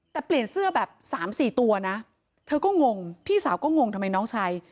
แต่เปลี่ยนเสื้อแบบสามสี่ตัวนะเธอก็งงพี่สาวก็งงทำไมน้องชาย